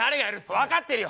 分かってるよ！